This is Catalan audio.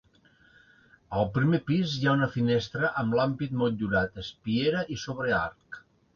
Al primer pis hi ha una finestra amb l'ampit motllurat, espiera i sobrearc.